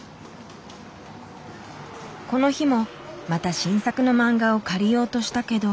この日もまた新作のマンガを借りようとしたけど。